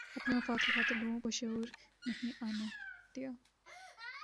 اپنے مفاد کی خاطرلوگوں کو شعور نہیں آنے دیا